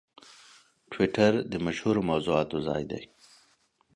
ټویټر د مشهورو موضوعاتو ځای دی.